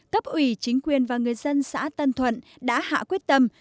cấp ủy chính quyền và người dân xã tân thuận đã hạ quyết tâm